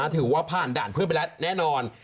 ถือว่าผ่านด่านเพื่อนไปแล้วแน่นอน